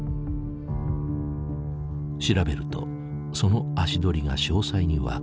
調べるとその足取りが詳細に分かってきた。